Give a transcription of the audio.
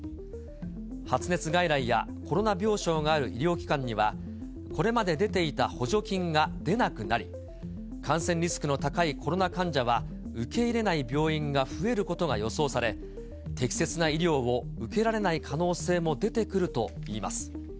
発熱外来やコロナ病床がある医療機関には、これまで出ていた補助金が出なくなり、感染リスクの高いコロナ患者は受け入れない病院が増えることが予想され、適切な医療を受けられない可能性も出てくるといいます。